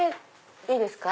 いいですか？